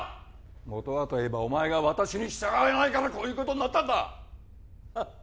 もとはと言えばお前が私に従わないからこういうことになったんだハッ